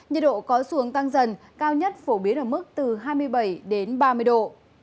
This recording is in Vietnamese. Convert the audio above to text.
nhiệt độ có xuống tăng dần cao nhất phổ biến ở mức từ hai mươi bảy đến ba mươi độ